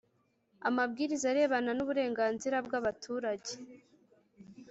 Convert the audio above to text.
Amabwiriza arebana n’uburenganzira bw’abaturage